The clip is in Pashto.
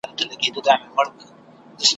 د بادار په اشاره پرې کړي سرونه ,